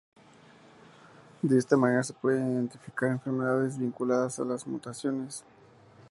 De esta manera se pueden identificar enfermedades vinculadas a las mutaciones.